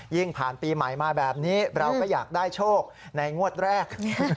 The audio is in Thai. ผ่านปีใหม่มาแบบนี้เราก็อยากได้โชคในงวดแรก